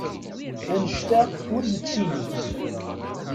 Annect-a ur yettili!